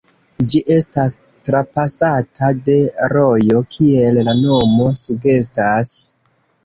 Ĝi estas trapasata de rojo, kiel la nomo sugestas.